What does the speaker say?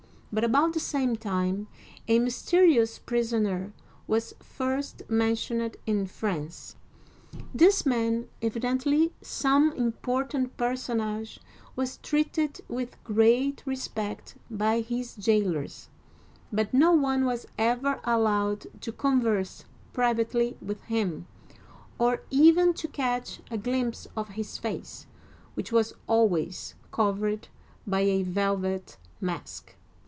But about the same time a mysterious prisoner was first mentioned uigiTizea Dy vjiOOQlC 33^ OLD FRANCE in France. This man, evidently some important person age, was treated with great respect by his jailers, but no one was ever allowed to converse privately with him, or even to catch a glimpse of his face, which was always covered by a velvet mask.